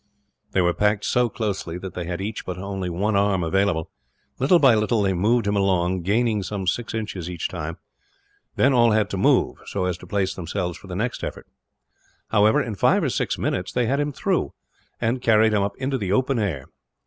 They were packed so closely that they had each but one arm available. Little by little they moved him along, gaining some six inches, each time; then all had to move, so as to place themselves for the next effort. However, in five or six minutes they had him through, and carried him up into the open air.